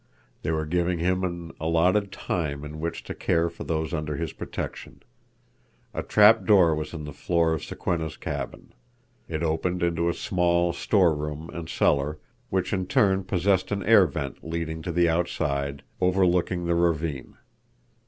They were giving him an allotted time in which to care for those under his protection. A trap door was in the floor of Sokwenna's cabin. It opened into a small storeroom and cellar, which in turn possessed an air vent leading to the outside, overlooking the ravine.